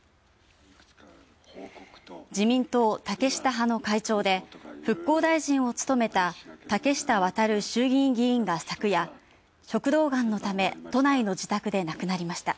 自民党・竹下派の会長で、復興大臣を務めた竹下亘氏が昨夜、食道がんのため都内の自宅で亡くなりました。